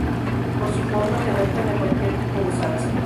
Por su forma, se adaptan a cualquier tipo de salsa.